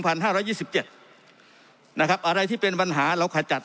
พันห้าร้อยยี่สิบเจ็ดนะครับอะไรที่เป็นปัญหาเราขัดจัด